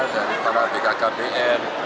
dari pak bkkbn